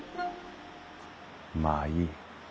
まあいい。